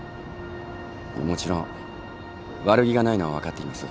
もちろん悪気がないのは分かっています。